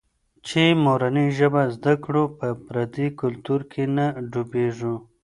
چي مورنۍ ژبه زده کړو، په پردي کلتور کې نه ډوبېږو.